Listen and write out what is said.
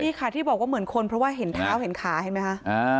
นี่ค่ะที่บอกว่าเหมือนคนเพราะว่าเห็นเท้าเห็นขาเห็นไหมคะ